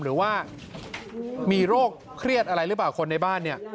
หรือว่ามีโรคเครียดอะไรหรือเปล่าคนในบ้านเนี่ย